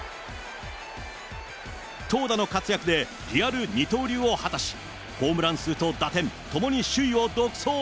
投打の活躍でリアル二刀流を果たし、ホームラン数と打点、ともに首位を独走。